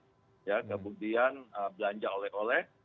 kemudian belanja oleh oleh